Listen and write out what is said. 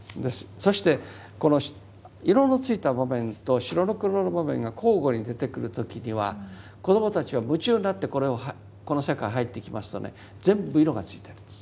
そしてこの色のついた場面と白黒の場面が交互に出てくる時には子どもたちは夢中になってこれをこの世界へ入っていきますとね全部色がついてるんです